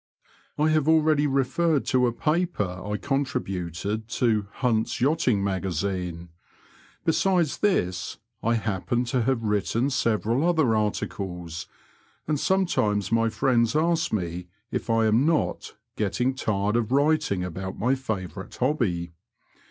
I have already referred to a paper I contributed to RimVs Yachting Magazine \ besides this I happen to have written several other articles, and some times my friends ask me if I am not getting tired of writing about my favourite hobby.